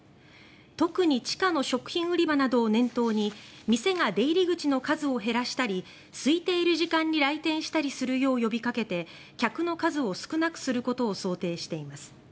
特に地下の食品売り場などを念頭に店が出入り口の数を減らしたりすいている時間に来店するよう呼びかけて客の数を少なくすることを想定しています。